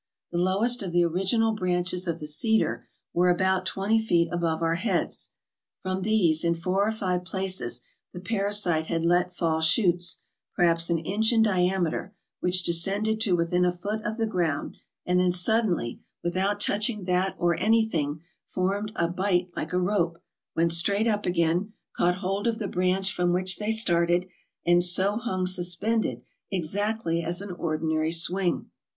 The lowest of the original branches of the cedar were about twenty feet above our heads. From these in four or five places the parasite had let fall shoots, perhaps an inch in diameter, which descended to within a foot of the ground and then suddenly, without touching that or anything, formed a bight like a rope, went straight up again, caught hold of the branch from which they started, and so hung suspended exactly as an ordinary swing.